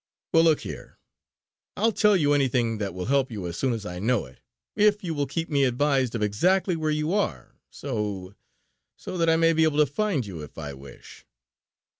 Well, look here, I'll tell you anything that will help you as soon as I know it, if you will keep me advised of exactly where you are so so that I may be able to find you if I wish."